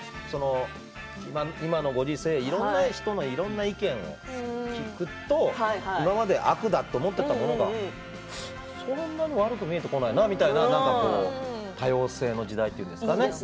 今のご時世いろんな人のいろんな意見を聞くと今まで悪だと思っていたものがそんなに悪く見えてこないなということもあって多様性の時代と言うんですかね。